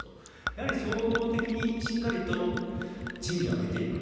やはり総合的にしっかりと賃金を上げていく。